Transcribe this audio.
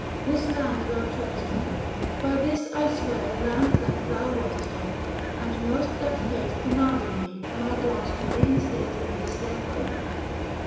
This land thou treadest on, by this I swear Land that thou wottest of, and know'st that fate Commanded me, my Gods to reinstate 660 In this their home.